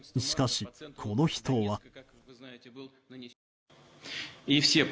しかし、この人は。